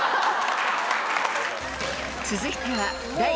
［続いては］